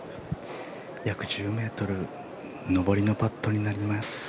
約１０ｍ上りのパットになります。